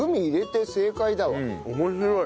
面白い。